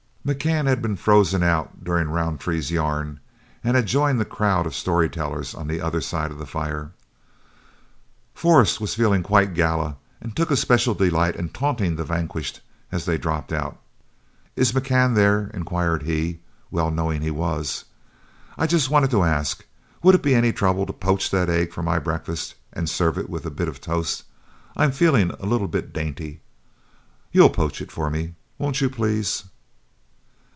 McCann had been frozen out during Roundtree's yarn, and had joined the crowd of story tellers on the other side of the fire. Forrest was feeling quite gala, and took a special delight in taunting the vanquished as they dropped out. "Is McCann there?" inquired he, well knowing he was. "I just wanted to ask, would it be any trouble to poach that egg for my breakfast and serve it with a bit of toast; I'm feeling a little bit dainty. You'll poach it for me, won't you, please?"